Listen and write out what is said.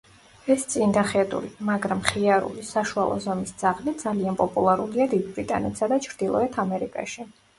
ეს წინდახედული, მაგრამ მხიარული, საშუალო ზომის ძაღლი ძალიან პოპულარულია დიდ ბრიტანეთსა და ჩრდილოეთ ამერიკაში.